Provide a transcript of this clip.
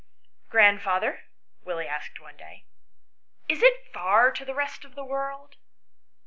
" Grandfather," Willie asked one day, " is it far to the rest of the world